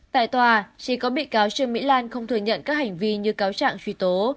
tại tòa chỉ có bị cáo trương mỹ lan không thừa nhận các hành vi như cáo trạng truy tố